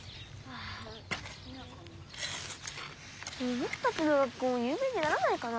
ぼくたちの学校もゆう名にならないかな。